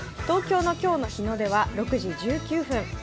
東京の今日の日の出は６時１９分。